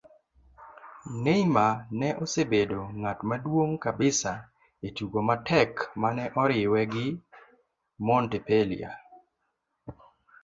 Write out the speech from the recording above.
Neymar ne osebedo ng'at maduog' kabisa e tugo matek mane oriwe gi Montpellier